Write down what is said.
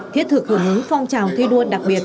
thiết thực hưởng ứng phong trào thi đua đặc biệt